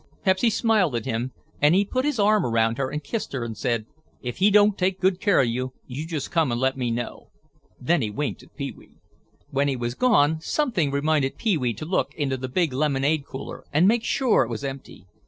Pepsy smiled at him and he put his arm around her and kissed her and said, "If he don't take good care of you, you just come and let me know." Then he winked at Pee wee. When he was gone something reminded Pee wee to look into the big lemonade cooler and make sure that it was empty.